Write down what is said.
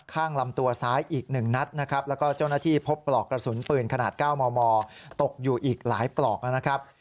ข้างลำตัวซ้ายอีก๑นัดนะครับแล้วก็เจ้าหน้าที่พบปลอกกระสุนปืนขนาด๙มมตกอยู่อีกหลายปลอกนะครับ